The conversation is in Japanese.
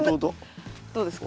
どうですか？